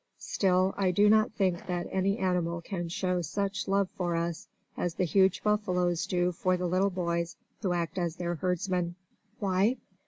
Still, I do not think that any animal can show such love for us as the huge buffaloes do for the little boys who act as their herdsmen. Why?